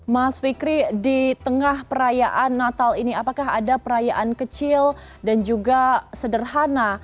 mas fikri di tengah perayaan natal ini apakah ada perayaan kecil dan juga sederhana